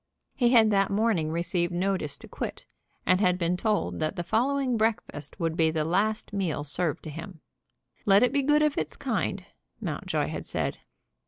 He had that morning received notice to quit, and had been told that the following breakfast would be the last meal served to him. "Let it be good of its kind," Mountjoy had said.